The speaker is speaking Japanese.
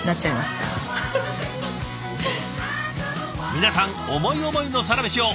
皆さん思い思いのサラメシを！